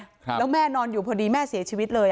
ครับแล้วแม่นอนอยู่พอดีแม่เสียชีวิตเลย